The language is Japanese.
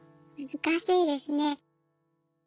難しいですね。